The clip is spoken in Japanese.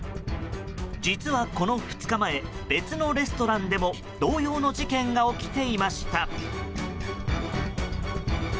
実はこの２日前別のレストランでも同様の事件が起きていました。